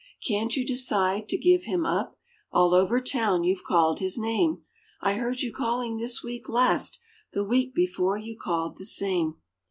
Can't you decide to give him up? All over town you've called his name; I heard you calling this week, last, The week before you called the same.